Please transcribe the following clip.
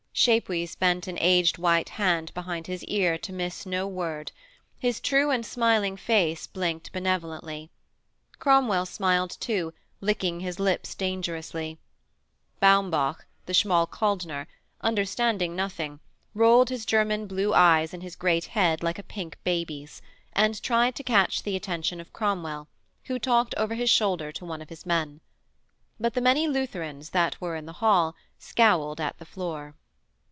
Chapuys bent an aged white hand behind his ear to miss no word: his true and smiling face blinked benevolently. Cromwell smiled too, licking his lips dangerously; Baumbach, the Schmalkaldner, understanding nothing, rolled his German blue eyes in his great head like a pink baby's, and tried to catch the attention of Cromwell, who talked over his shoulder to one of his men. But the many Lutherans that there were in the hall scowled at the floor.